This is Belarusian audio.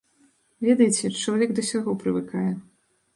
Ведаеце, чалавек да ўсяго прывыкае.